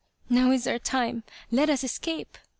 " Now is our time ! Let us escape